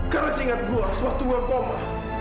karena seingat gue sewaktu gue koma